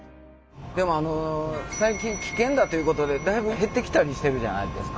でもあの最近危険だということでだいぶ減ってきたりしてるじゃないですか。